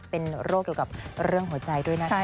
เป็นโรคเกี่ยวกับเรื่องหัวใจด้วยนะคะ